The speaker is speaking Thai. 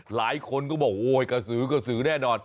หลายคนก็บอกโอ้โหเกษือเกษือแน่นอน